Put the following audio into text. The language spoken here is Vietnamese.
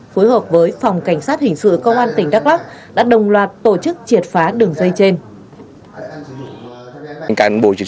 phối hợp với phòng cảnh sát hình sự công an tỉnh đắk lắc đã đồng loạt tổ chức triệt phá đường dây trên